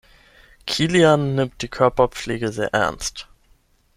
Kilian nimmt die Körperpflege sehr ernst.